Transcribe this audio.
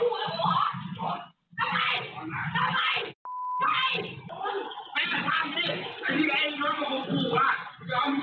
ที่ยืนมองดูด้วยความกลัวสั่วของผู้เสียหาย